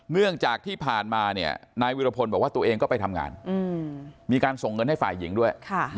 เนื่องจากที่ผ่านมานายวิรพลบอกว่าตัวเองก็ไปทำงานมีการส่งเงินให้ฝ่ายหญิงด้วย